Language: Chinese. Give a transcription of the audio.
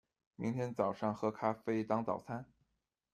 明天早上喝咖啡当早餐